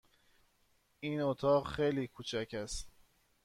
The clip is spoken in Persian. این اتاق خیلی کوچک است.